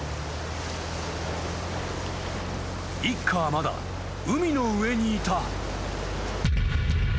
［一家はまだ海の上にいた］